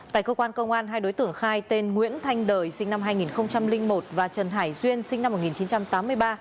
tại cơ quan công an hai đối tượng khai tên nguyễn thanh đời sinh năm hai nghìn một và trần hải duyên sinh năm một nghìn chín trăm tám mươi ba